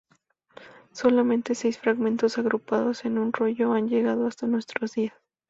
Solamente seis fragmentos agrupados en un rollo han llegado hasta nuestros días.